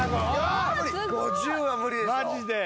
５０は無理でしょ。